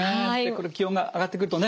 これ気温が上がってくるとね